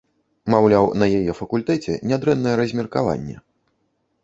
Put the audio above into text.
Маўляў, на яе факультэце нядрэннае размеркаванне.